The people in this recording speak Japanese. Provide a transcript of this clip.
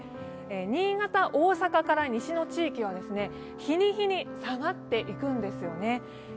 新潟、大阪から西の地域は、日に日に下がっていくんですよね。